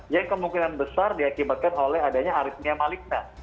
yang kemungkinan besar diakibatkan oleh adanya aritmia maligna